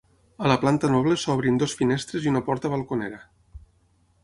A la planta noble s'obren dues finestres i una porta balconera.